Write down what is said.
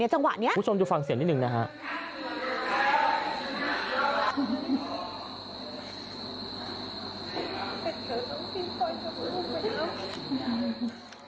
จังหวะนี้คุณผู้ชมดูฟังเสียงนิดหนึ่งนะครับ